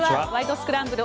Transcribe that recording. スクランブル」